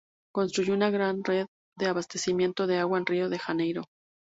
Construyó una gran red de abastecimiento de agua en Río de Janeiro.